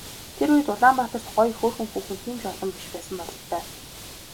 Тэр үед Улаанбаатарт гоё хөөрхөн хүүхэн тийм ч олон биш байсан бололтой.